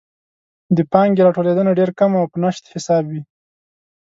د پانګې راټولیدنه ډېر کم او په نشت حساب وي.